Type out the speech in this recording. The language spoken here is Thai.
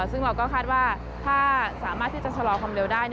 ซึ่งเราก็คาดว่าถ้าสามารถที่จะชะลอความเร็วได้